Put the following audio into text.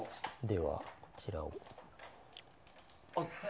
では、こちらを。